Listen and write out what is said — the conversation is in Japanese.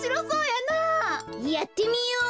やってみよう！